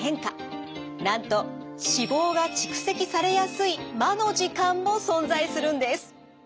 なんと脂肪が蓄積されやすい魔の時間も存在するんです。